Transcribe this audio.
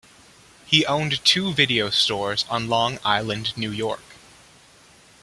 He owned two video stores on Long Island, New York.